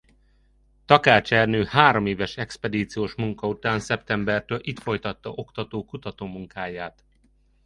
Takács Ernő hároméves expedíciós munka után szeptembertől itt folytatta oktató-kutatómunkáját.